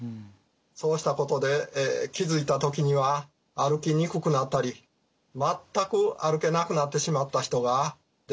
そうしたことで気づいた時には歩きにくくなったり全く歩けなくなってしまった人が出てきたのだと思います。